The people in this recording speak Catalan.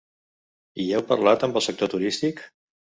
Hi heu parlat, amb el sector turístic?